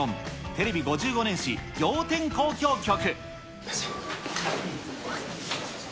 テレビ５５年史仰天交響曲。